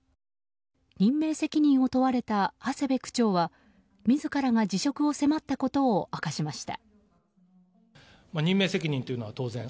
任命責任を問われた長谷部区長は自らが辞職を迫ったことを明かしました。